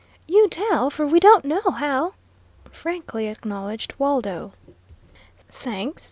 "You tell, for we don't know how," frankly acknowledged Waldo. "Thanks.